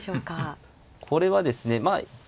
これはですねまあ